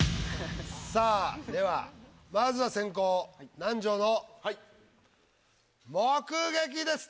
さあではまずは先攻・南條の「目撃」です。